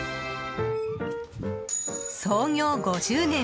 創業５０年。